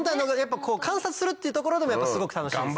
観察するっていうところでもやっぱすごく楽しいですね。